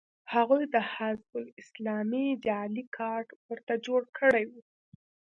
هغوی د حزب اسلامي جعلي کارت ورته جوړ کړی و